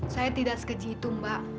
saya tidak sekeji itu mbak